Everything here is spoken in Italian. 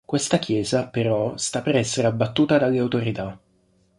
Questa chiesa però sta per essere abbattuta dalle autorità.